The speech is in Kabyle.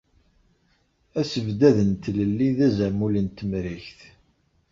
Asebdad n Tlelli d azamul n Temrikt.